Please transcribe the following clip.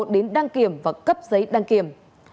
đến đăng kiểm và cấp giấy đăng kiểm